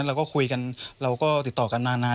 เราก็คุยกันเราก็ติดต่อกันนาน